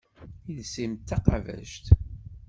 Iles-im d taqabact.